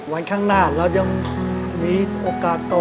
วันข้างหน้าเรายังมีโอกาสโต